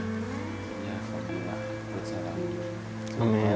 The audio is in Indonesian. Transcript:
ini adalah formula perjalanan